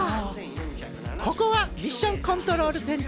ここはミッションコントロールセンター。